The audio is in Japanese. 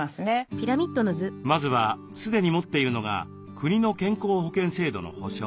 まずは既に持っているのが国の健康保険制度の保障。